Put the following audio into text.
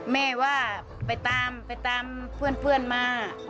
แม่ว่าไปตามเพื่อนมา